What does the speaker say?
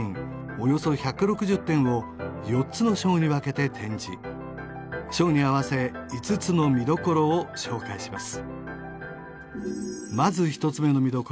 およそ１６０点を４つの章に分けて展示章に合わせ５つの見どころを紹介します